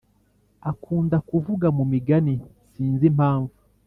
akunda kuvuga mu migani sinzi impamvu